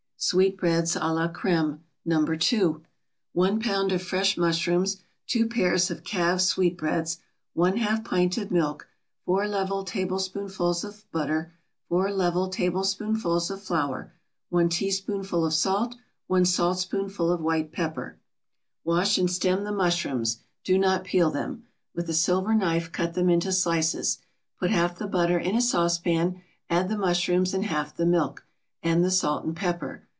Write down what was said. SWEETBREADS à la CREME, No. 2 1 pound of fresh mushrooms 2 pairs of calves' sweetbreads 1/2 pint of milk 4 level tablespoonfuls of butter 4 level tablespoonfuls of flour 1 teaspoonful of salt 1 saltspoonful of white pepper Wash and stem the mushrooms; do not peel them. With a silver knife cut them into slices. Put half the butter in a saucepan, add the mushrooms and half the milk, and the salt and pepper.